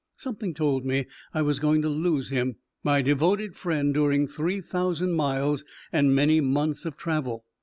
Something told me I was going to lose him, my devoted friend during three thousand miles and many months of travel.